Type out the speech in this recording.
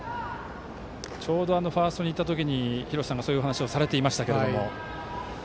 ちょうどファーストにいた時廣瀬さんがそういうお話をされていましたが。